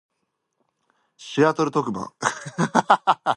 Seattle-Tacoma International Airport lies north, in the city of SeaTac.